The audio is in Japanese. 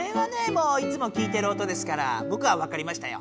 もういつも聞いてる音ですからぼくはわかりましたよ。